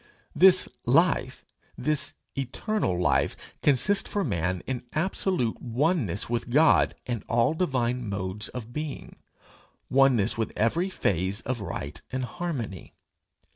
This life, this eternal life, consists for man in absolute oneness with God and all divine modes of being, oneness with every phase of right and harmony.